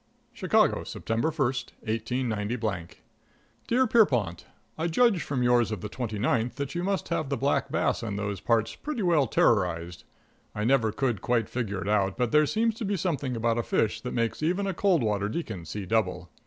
|++ XV CHICAGO, September 1, 189 Dear Pierrepont: I judge from yours of the twenty ninth that you must have the black bass in those parts pretty well terrorized. I never could quite figure it out, but there seems to be something about a fish that makes even a cold water deacon see double.